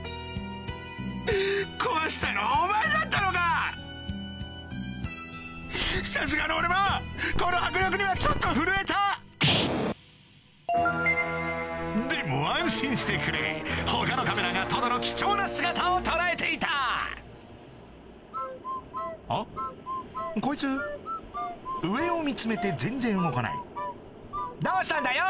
壊したのお前だったのかさすがの俺もこの迫力にはちょっと震えたでも安心してくれ他のカメラがトドの貴重な姿を捉えていたあっこいつ上を見つめて全然動かないどうしたんだよ